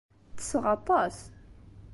Ttesseɣ aṭas!